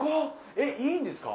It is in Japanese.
えっいいんですか。